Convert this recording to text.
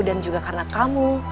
dan juga karena kamu